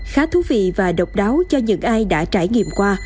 khá thú vị và độc đáo cho những ai đã trải nghiệm qua